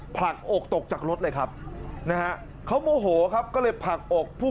ผลักอกตกจากรถเลยครับนะฮะเขาโมโหครับก็เลยผลักอกผู้